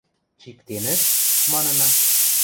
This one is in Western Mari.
– Чиктенӹт? – манына.